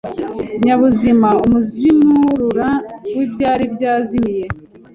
Nyabuzima umuzimurura w’ibyari byazimiye